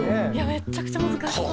めちゃくちゃ難しそう。